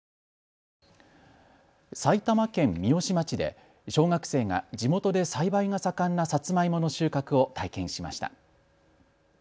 埼玉県三芳町で小学生が地元で栽培が盛んなさつまいもの収穫を体験しました。